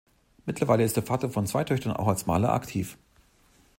Mittlerweile ist der Vater von zwei Töchtern auch als Maler aktiv.